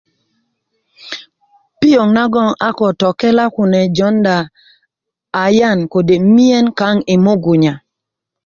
piyoŋ nagon a ko tokela kune jonda ayan kode miyen kaaŋ i mogunya